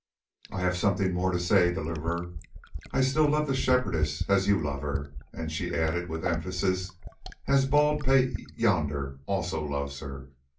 "I have something more to say, Deliverer. I still love the Shepherdess as you love her, and," she added with emphasis, "as Bald pate yonder also loves her.